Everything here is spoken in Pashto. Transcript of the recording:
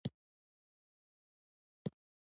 افغانستان د خپلې آب وهوا له امله شهرت لري.